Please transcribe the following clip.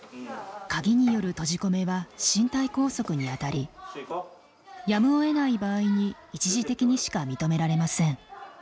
鍵による閉じ込めは身体拘束にあたりやむをえない場合に一時的にしか認められません。